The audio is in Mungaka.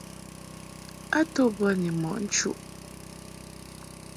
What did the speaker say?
A to mbə ni mɔʼ nchuʼ.